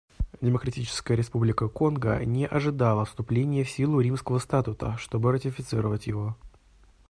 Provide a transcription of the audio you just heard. Демократическая Республика Конго не ожидала вступления в силу Римского статута, чтобы ратифицировать его.